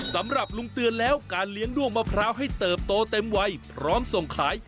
สำหรับลุงเตือนแล้วการเลี้ยงด้วงมะพร้าวให้เติบโตเต็มวัยพร้อมส่งขาย